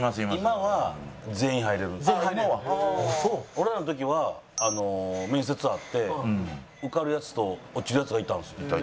俺らの時は面接あって受かるヤツと落ちるヤツがいたんです。